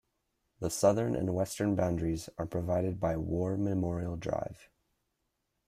The southern and western boundaries are provided by War Memorial Drive.